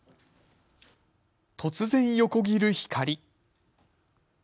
突然、横切る光。